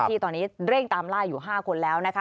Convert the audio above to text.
ที่ตอนนี้เร่งตามล่าอยู่๕คนแล้วนะคะ